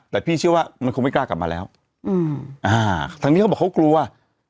แต่พี่เชื่อว่ามันคงไม่กล้ากลับมาแล้วอืมอ่าทางนี้เขาบอกเขากลัว